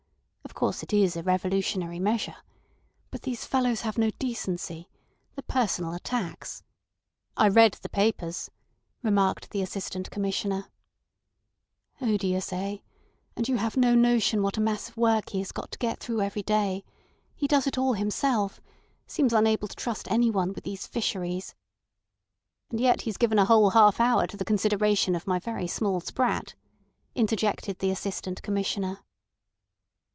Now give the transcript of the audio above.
Of course, it is a revolutionary measure. But these fellows have no decency. The personal attacks—" "I read the papers," remarked the Assistant Commissioner. "Odious? Eh? And you have no notion what a mass of work he has got to get through every day. He does it all himself. Seems unable to trust anyone with these Fisheries." "And yet he's given a whole half hour to the consideration of my very small sprat," interjected the Assistant Commissioner.